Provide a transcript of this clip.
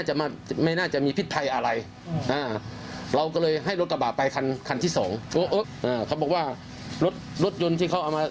จากนั้นเขายกหูโทรศัพท์